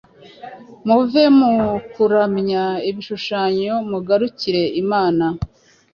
muve mukuramya ibishushanyo mugarukire imana